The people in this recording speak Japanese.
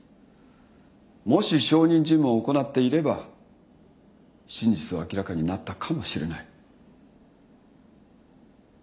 もし証人尋問を行っていれば真実は明らかになったかもしれない。